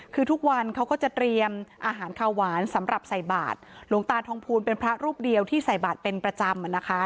คือทุกวันเขาก็จะเตรียมอาหารข้าวหวานสำหรับใส่บาทหลวงตาทองภูลเป็นพระรูปเดียวที่ใส่บาทเป็นประจำนะคะ